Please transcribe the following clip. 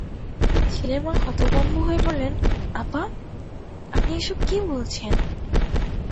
ছেলের মা হতভম্ব হয়ে বললেন, আপা, আপনি এসব কী বলছেন!